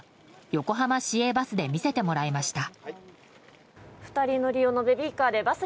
横浜市営バスで見せてもらいました。